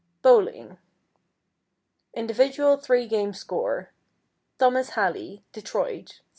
=Bowling=: Individual three game score, Thomas Hally, Detroit, 705.